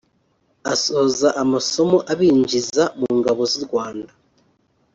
Asoza amasomo abinjiza mu ngabo z’u Rwanda